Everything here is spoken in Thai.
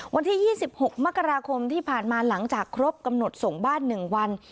วันที่๒๖มกราคมที่ผ่านมาหลังจากครบกำหนดส่งบ้าน๑วัน